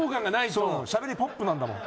そうなのしゃべりポップなんだもん。